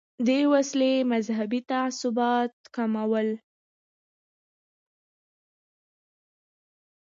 دې وسیلې مذهبي تعصبات کمول.